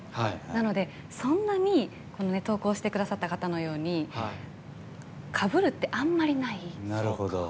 なので、そんなに投稿してくださった方のようにかぶるってあんまりない。